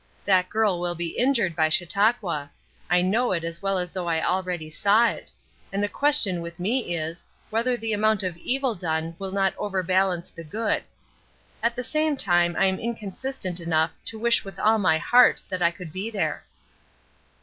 That girl will be injured by Chautauqua; I know it as well as though I already saw it; and the question with me is, whether the amount of evil done will not overbalance the good. At the same time I am inconsistent enough to wish with all my heart that I could be there."